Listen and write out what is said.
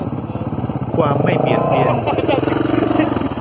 ความไม่เบียดเบียน